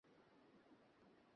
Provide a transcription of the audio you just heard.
ওকে ছেড়ে দিন, মিস্টার সাহায়।